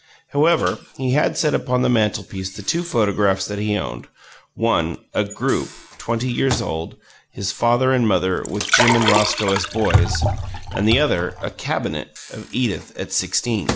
However, he had set upon the mantelpiece the two photographs that he owned: one, a "group" twenty years old his father and mother, with Jim and Roscoe as boys and the other a "cabinet" of Edith at sixteen.